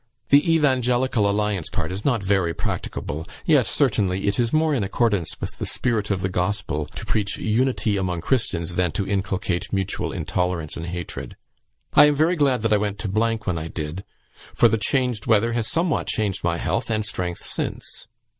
The Evangelical Alliance part is not very practicable, yet certainly it is more in accordance with the spirit of the Gospel to preach unity among Christians than to inculcate mutual intolerance and hatred. I am very glad I went to when I did, for the changed weather has somewhat changed my health and strength since.